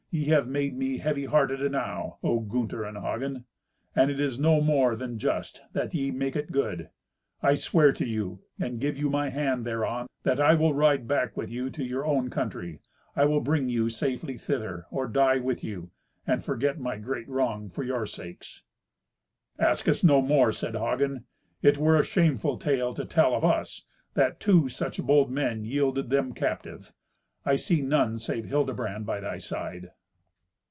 "Ye have made me heavy hearted enow, O Gunther and Hagen; and it is no more than just, that ye make it good. I swear to you, and give you my hand thereon, that I will ride back with you to your own country. I will bring you safely thither, or die with you, and forget my great wrong for your sakes." "Ask us no more," said Hagen. "It were a shameful tale to tell of us, that two such bold men yielded them captive. I see none save Hildebrand by thy side."